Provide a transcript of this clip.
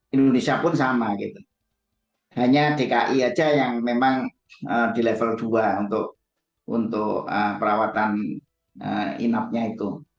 indonesia pun sama gitu hanya dki saja yang memang di level dua untuk perawatan inapnya itu